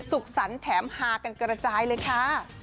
สุขสรรค์แถมฮากันกระจายเลยค่ะ